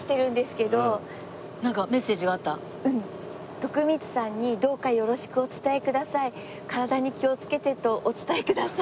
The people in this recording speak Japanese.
「徳光さんにどうかよろしくお伝えください」「体に気をつけてとお伝えください」